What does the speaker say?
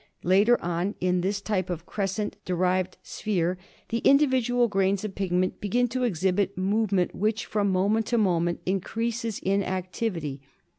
^ Later on ip this type of crescent derived sphere the individual grains of pigment begin to exhibit movement which, from moment to moment, increases in activity.